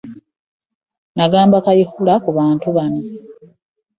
“Nnagamba Kayihura ku bantu bano.